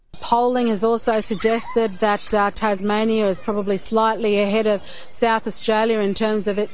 kampanye juga menunjukkan bahwa tasmania mungkin sedikit lebih depan dari australia selatan